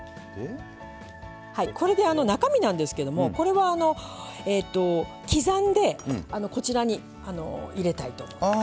これで中身なんですけどもこれはあの刻んでこちらに入れたいと思います。